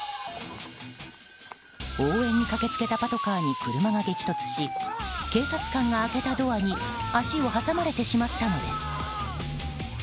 応援に駆け付けたパトカーに車が激突し警察官が開けたドアに足を挟まれてしまったのです。